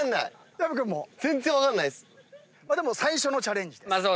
まあでも最初のチャレンジです。